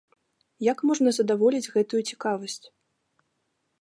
Як можна задаволіць гэтую цікавасць?